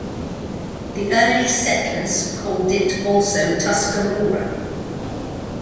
The early settlers called it also "Tuscarora".